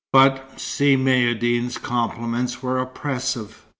But Si Maïeddine's compliments were oppressive.